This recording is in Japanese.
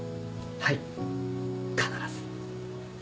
はい必ず。